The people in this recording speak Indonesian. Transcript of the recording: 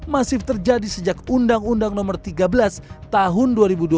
masif terjadi sejak undang undang nomor tiga belas tahun dua ribu dua belas